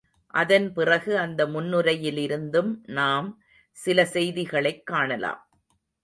அதன் பிறகு அந்த முன்னுரையிலிருந்து நாம் சில செய்திகளைக் காணலாம்.